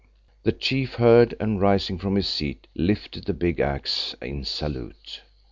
The Chief heard and rising from his seat, lifted the big axe in salute.